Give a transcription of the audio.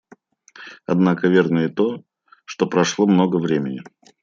Однако верно и то, что прошло много времени.